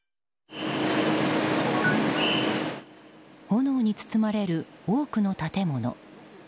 炎に包まれる多くの建物。